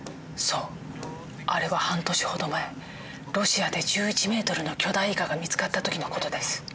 そうあれは半年ほど前ロシアで１１ｍの巨大イカが見つかった時の事です。